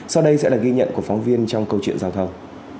sau đây sẽ là ghi nhận của phóng viên trong câu chuyện giao thông